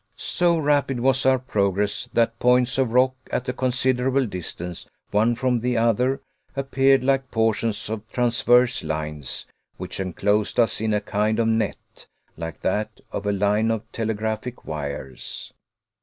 So rapid was our progress that points of rock at a considerable distance one from the other appeared like portions of transverse lines, which enclosed us in a kind of net, like that of a line of telegraphic wires.